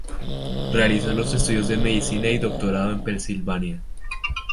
Realizó los estudios de Medicina y doctorado en Pensilvania.